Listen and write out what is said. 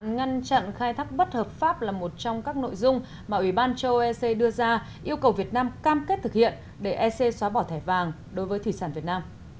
ngăn chặn khai thác bất hợp pháp là một trong các nội dung mà ủy ban châu âu ec đưa ra yêu cầu việt nam cam kết thực hiện để ec xóa bỏ thẻ vàng đối với thủy sản việt nam